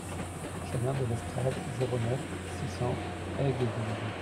Chemin de Lestrade, zéro neuf, six cents Aigues-Vives